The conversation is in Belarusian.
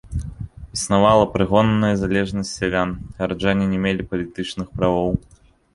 Існавала прыгонная залежнасць сялян, гараджане не мелі палітычных правоў.